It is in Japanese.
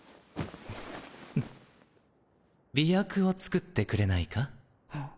フッ媚薬を作ってくれないか？